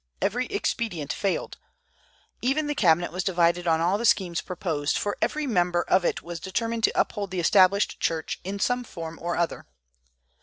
Every expedient failed. Even the cabinet was divided on all the schemes proposed; for every member of it was determined to uphold the Established Church, in some form or other.